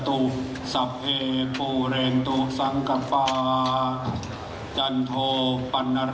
โดยมันประกอบคุณงามความดีไปตามลำดับ